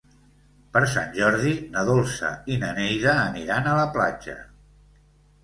Per Sant Jordi na Dolça i na Neida aniran a la platja.